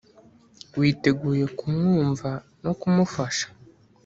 witeguye kumwumva no kumufasha